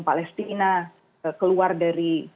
palestina keluar dari